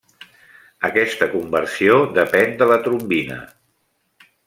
Aquesta conversió depèn de la trombina.